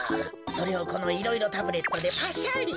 それをこのいろいろタブレットでパシャリ。